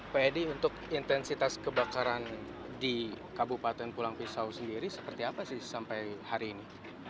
pak edi untuk intensitas kebakaran di kabupaten pulang pisau sendiri seperti apa sih sampai hari ini